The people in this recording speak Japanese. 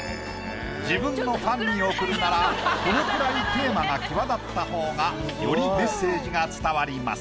自分のファンに贈るならこのくらいテーマが際立った方がよりメッセージが伝わります。